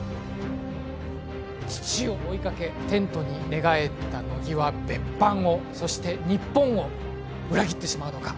父を追いかけ、テントに寝返った乃木は別班を、そして日本を裏切ってしまうのか。